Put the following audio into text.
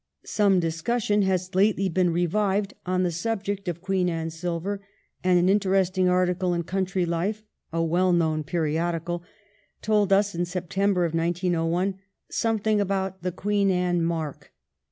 Some discussion has lately been revived on the subject of Queen Anne silver, and an interesting article in ' Country Life,' a well known periodical, told us in the September of 1901 something about the Queen Anne mark.